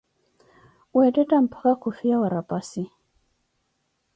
Weethetha mpakah khu fiya wa rapassi